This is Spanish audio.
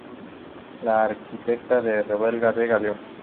La arquitecta es Revuelta Vega León.